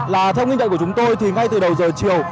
là theo ghi nhận của chúng tôi thì ngay từ đầu giờ chiều